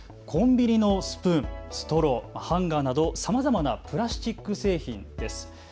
コンビニのスプーン、ストロー、ハンガリーなどさまざまなプラスチック製品です。